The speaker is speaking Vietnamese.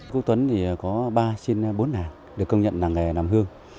quốc tuấn có ba xin bốn nàng được công nhận làng nghề làm hương